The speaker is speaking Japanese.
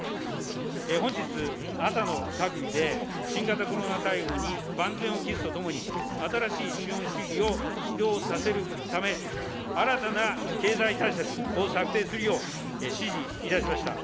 本日、朝の閣議で新型コロナ対応に万全を期すとともに、新しい資本主義を起動させるため、新たな経済対策を策定するよう、指示いたしました。